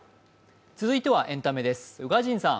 続いてはエンタメです。